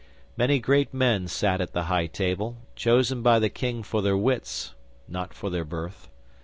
Many great men sat at the High Table chosen by the King for their wits, not for their birth.